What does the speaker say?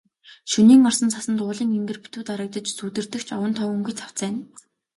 Шөнийн орсон цасанд уулын энгэр битүү дарагдаж, сүүдэртэх ч овон товонгүй цавцайна.